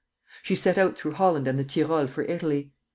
She set out through Holland and the Tyrol for Italy.